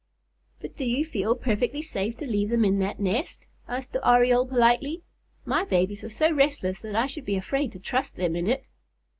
"But do you feel perfectly safe to leave them in that nest?" asked the Oriole politely. "My babies are so restless that I should be afraid to trust them in it."